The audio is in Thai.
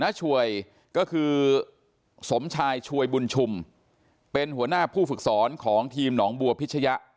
ช่วยก็คือสมชายช่วยบุญชุมเป็นหัวหน้าผู้ฝึกสอนของทีมหนองบัวพิชยะ